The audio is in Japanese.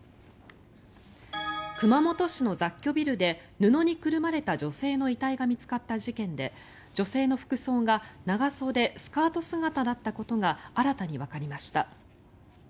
熊本市の雑居ビルで布にくるまれた女性の遺体が見つかった事件で女性の服装が長袖・スカート姿だったことが新たにわかりました。